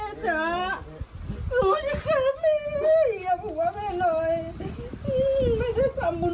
หนูอยากกราบแม่อยากหัวแม่หน่อย